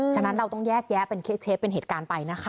ฉะนั้นเราต้องแยกแยะเป็นเคปเป็นเหตุการณ์ไปนะคะ